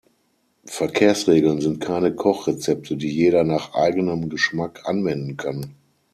Verkehrsregeln sind keine Kochrezepte, die jeder nach eigenem Geschmack anwenden kann.